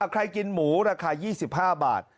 กินหมูราคา๒๕บาท